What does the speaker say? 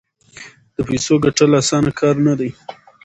د پیسو ګټل اسانه کار نه دی.